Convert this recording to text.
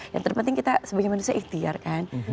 yang terpenting kita sebagai manusia ikhtiar kan